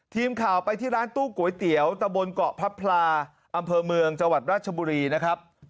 ทีมข่าวไปที่ร้านตู้ก๋วยเตี๋ยวตะบนเกาะพระพลาอำเภอเมืองจังหวัดราชบุรีนะครับ